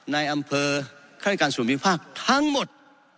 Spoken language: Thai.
ในอำเภอฆาติการส่วนวิภาคทั้งหมด